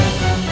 lupa bacanya ya